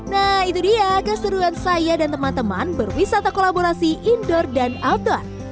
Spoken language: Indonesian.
nah itu dia keseruan saya dan teman teman berwisata kolaborasi indoor dan outdoor